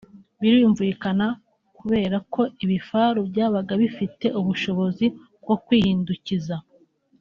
Birumvikana kubera ko ibifaru byabaga bifite ubushobozi bwo kwihindukiza